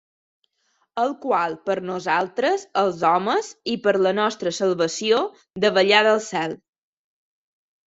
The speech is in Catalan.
El qual per nosaltres, els homes, i per la nostra salvació davallà del cel.